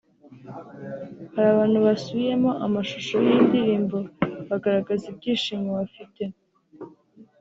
hari abantu basubiyemo amashusho y’iyi ndirimbo bagaragaza ibyishimo bafite